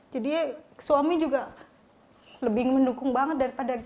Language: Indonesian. jadi suami juga lebih mendukung banget daripada